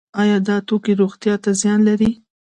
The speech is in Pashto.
آیا دا توکي روغتیا ته زیان لري؟